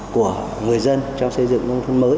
của người dân trong xây dựng